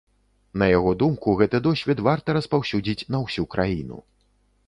На яго думку, гэты досвед варта распаўсюдзіць на ўсю краіну.